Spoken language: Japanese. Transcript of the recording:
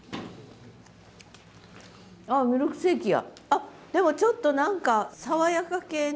あっでもちょっと何か爽やか系の。